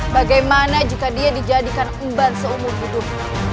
bagaimana jika dia dijadikan emban seumur hidup